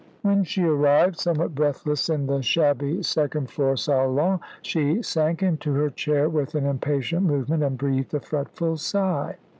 When she arrived, somewhat breathless, in the shabby second floor salon, she sank into her chair with an impatient movement, and breathed a fretful sigh.